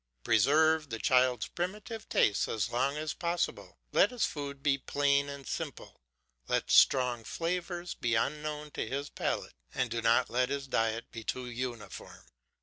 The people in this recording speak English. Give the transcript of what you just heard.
Preserve the child's primitive tastes as long as possible; let his food be plain and simple, let strong flavours be unknown to his palate, and do not let his diet be too uniform.